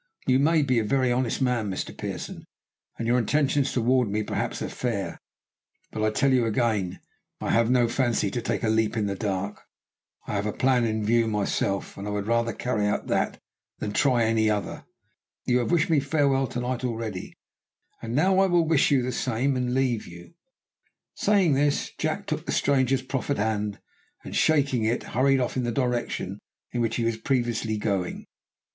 "You may be a very honest man, Mr Pearson, and your intentions towards me perhaps are fair, but I tell you again, I have no fancy to take a leap in the dark. I have a plan in view myself, and I would rather carry that out than try any other. You have wished me farewell to night already, and now I will wish you the same, and leave you." Saying this, Jack took the stranger's proffered hand, and shaking it, hurried off in the direction in which he was previously going.